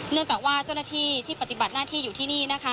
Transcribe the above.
เนื่องจากว่าเจ้าหน้าที่ที่ปฏิบัติหน้าที่อยู่ที่นี่นะคะ